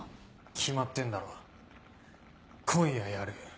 決まってんだろ今夜やる。